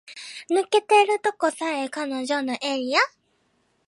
抜けてるとこさえ彼女のエリア